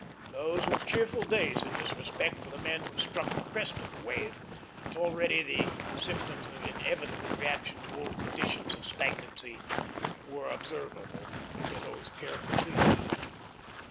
Those were cheerful days in this respect for the men who struck the crest of the wave; but already the symptoms of inevitable reaction to old conditions of stagnancy were observable to those careful to heed.